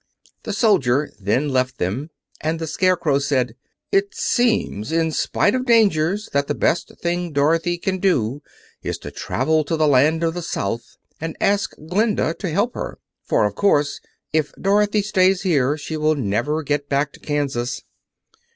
The soldier then left them and the Scarecrow said: "It seems, in spite of dangers, that the best thing Dorothy can do is to travel to the Land of the South and ask Glinda to help her. For, of course, if Dorothy stays here she will never get back to Kansas."